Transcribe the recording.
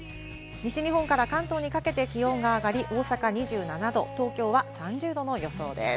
西日本から関東にかけて気温が上がり、大阪２７度、東京は３０度の予想です。